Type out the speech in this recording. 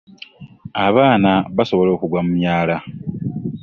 Abaana basobola okugwa mu myala.